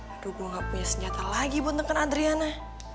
aduh gue gak punya senjata lagi buat nekan adriana